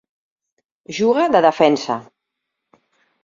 Juga de Defensa.